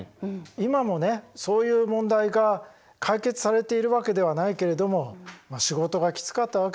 今もねそういう問題が解決されているわけではないけれども仕事がきつかったわけだ。